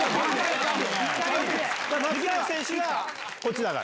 松川選手がこっちだから。